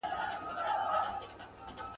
ړنګه بنګه یې لړۍ سوه د خیالونو !.